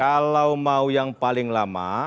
kalau mau yang paling lama